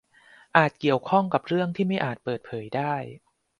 อาจเกี่ยวข้องกับเรื่องที่ไม่อาจเปิดเผยได้